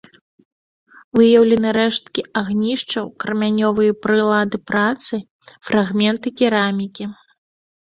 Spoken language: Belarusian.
Выяўлены рэшткі агнішчаў, крамянёвыя прылады працы, фрагменты керамікі.